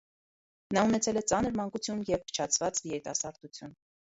Նա ունեցել է ծանր մանկություն և փչացված երիտասարդություն։